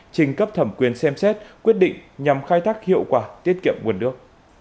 trình cấp thẩm quyền xem xét quyết định nhằm khai thác hiệu quả tiết kiệm nguồn nước